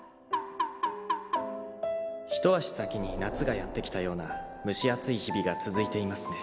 「一足先に夏がやって来たような蒸し暑い日々が続いていますね」